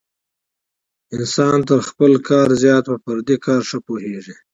انسان تر خپل کار زیات په پردي کار ښه پوهېږي.